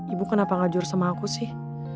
ibu kenapa ngajur sama aku sih